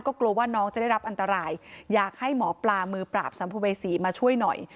กลัวว่าน้องจะได้รับอันตรายอยากให้หมอปลามือปราบสัมภเวษีมาช่วยหน่อย